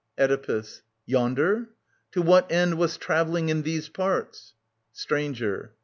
Oedipus. Yonder ? To what end Wast travelling in these parts ? Stranger.